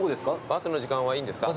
バスの時間はいいんですか？